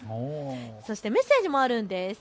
そしてメッセージもあるんです。